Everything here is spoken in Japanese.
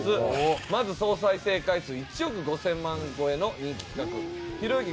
まず総再生回数１億５０００万超えの人気企画ひろゆき